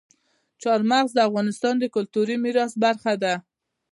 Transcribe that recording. چار مغز د افغانستان د کلتوري میراث برخه ده.